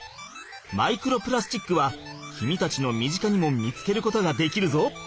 マイクロプラスチックは君たちの身近にも見つけることができるぞ。